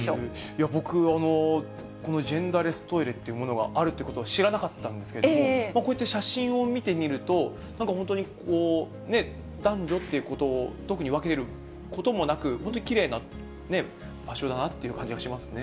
いや、僕、このジェンダーレストイレというものがあるっていうことを知らなかったんですけれども、こうやって写真を見てみると、なんか本当に、男女ってことを特に分けることもなく、本当にきれいな場所だなって感じしますよね。